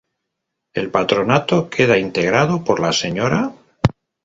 El Patronato queda integrado por la Sra.